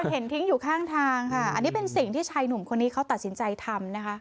เห็นทิ้งอยู่ข้างทางค่ะอันนี้เป็นสิ่งที่ชายหนุ่มคนนี้เขาตัดสินใจทำนะคะ